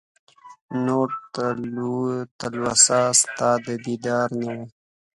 نور تلوسه ستا د دیدار نه وه